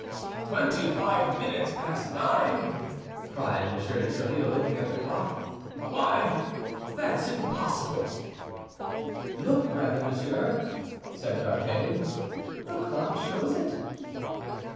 "Twenty five minutes past nine!" cried M. de Tréville, looking at the clock; "why, that's impossible!" "Look, rather, monsieur," said D'Artagnan, "the clock shows it."